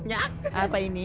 entah l clara p mandate